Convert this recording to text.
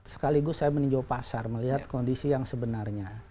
sekaligus saya meninjau pasar melihat kondisi yang sebenarnya